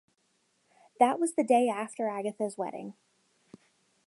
That was the day after Agatha’s wedding.